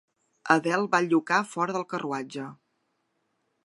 Adele va llucar fora del carruatge.